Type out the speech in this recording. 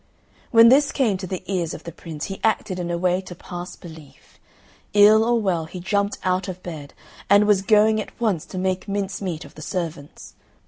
When this came to the ears of the Prince, he acted in a way to pass belief. Ill or well he jumped out of bed, and was going at once to make mincemeat of the servants.